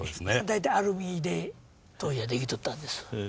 大体アルミで当時は出来とったんです。